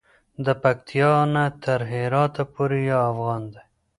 د پکتیا نه تر هراته پورې یو افغان دی.